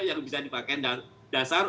yang bisa dipakai dasar